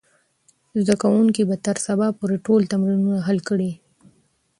زده کوونکي به تر سبا پورې ټول تمرینونه حل کړي وي.